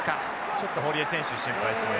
ちょっと堀江選手心配ですね。